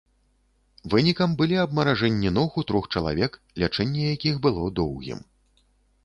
Вынікам былі абмаражэнні ног у трох чалавек, лячэнне якіх было доўгім.